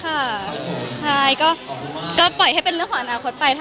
ถ้าได้หากินได้ปล่อยให้เป็นเรื่องของอนาคตไป